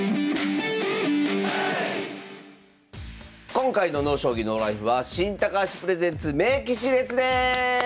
今回の「ＮＯ将棋ＮＯＬＩＦＥ」は「新・高橋プレゼンツ名棋士列伝」！